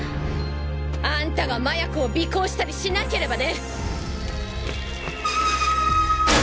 あんたが麻也子を尾行したりしなければね！